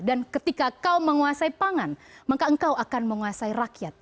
dan ketika kau menguasai pangan maka engkau akan menguasai rakyat